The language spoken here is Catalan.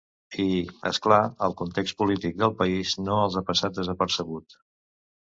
I, és clar, el context polític del país no els ha pas passat desapercebut.